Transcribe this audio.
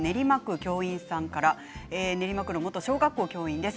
元練馬区の小学校の教員です。